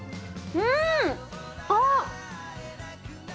うん！あっ！